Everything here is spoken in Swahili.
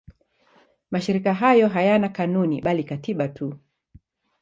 Mashirika hayo hayana kanuni bali katiba tu.